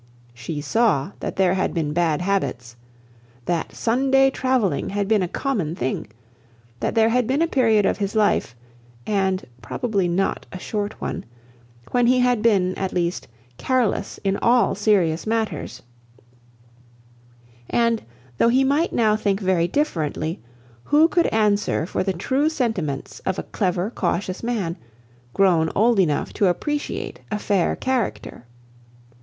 She saw that there had been bad habits; that Sunday travelling had been a common thing; that there had been a period of his life (and probably not a short one) when he had been, at least, careless in all serious matters; and, though he might now think very differently, who could answer for the true sentiments of a clever, cautious man, grown old enough to appreciate a fair character?